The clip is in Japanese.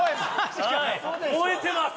燃えてます！